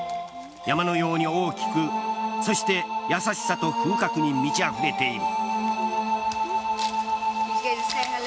山のように大きくそして優しさと風格に満ちあふれている。